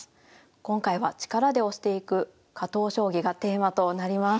今回は「力で押していく加藤将棋」がテーマとなります。